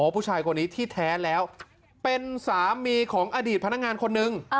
ผู้ชายคนนี้ที่แท้แล้วเป็นสามีของอดีตพนักงานคนนึง